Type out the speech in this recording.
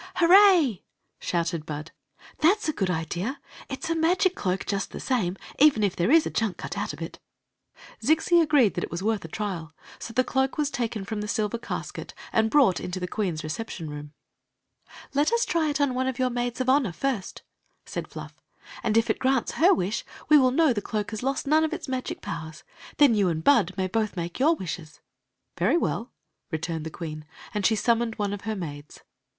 "Hooray!" shouted Bud. "That s a good idea. It s a magic cloak just the same, even if there is a chunk cut out of it" Zixi agreed that it was worth a trial, so the cloak was taken from the silver casket and brought into the queen's reception room. Queen Zixi of Ix ; or, the " Let US try it on one of your maids of honor, first," said Fluff; " and. if it grants her wish, we will know the doak has lost none of its magic powers. Then you and Bud may both make your wishes." "Very well," returned the queen, and she summoned one of her maids.